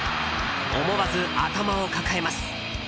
思わず頭を抱えます。